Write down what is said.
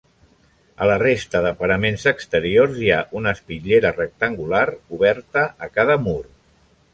A la resta de paraments exteriors hi ha una espitllera rectangular oberta a cada mur.